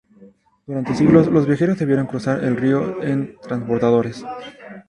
Durante siglos, los viajeros debieron cruzar el río en transbordadores.